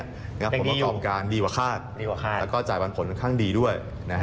เพราะว่าจอมการดีกว่าคาดแล้วก็จ่ายปันผลค่อนข้างดีด้วย